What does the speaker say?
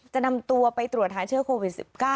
จะนำตัวไปตรวจหาเชื้อโควิด๑๙